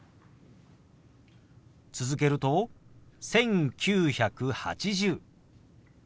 続けると「１９８０」。